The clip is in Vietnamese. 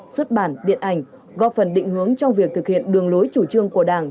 xuất bản điện ảnh góp phần định hướng trong việc thực hiện đường lối chủ trương của đảng